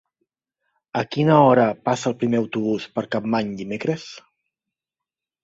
A quina hora passa el primer autobús per Capmany dimecres?